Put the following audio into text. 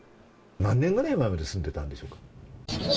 何年ぐらい前まで住んでいたのでしょうか。